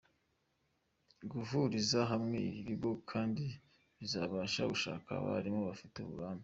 Guhuriza hamwe ibi bigo kandi bizabasha gushaka abalimu bafite uburambe.